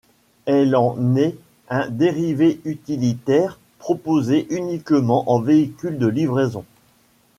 Elle en est un dérivé utilitaire, proposée uniquement en véhicule de livraison.